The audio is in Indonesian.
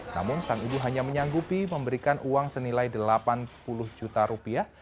namun sang ibu hanya menyanggupi memberikan uang senilai delapan puluh juta rupiah